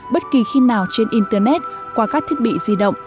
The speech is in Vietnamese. bất kỳ khi nào trên internet qua các thiết bị di động